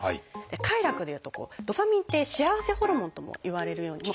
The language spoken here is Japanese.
「快楽」でいうとドパミンって「幸せホルモン」ともいわれるように。